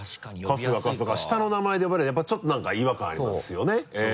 「春日」「春日」下の名前で呼ばれるとやっぱちょっと何か違和感ありますよねそう。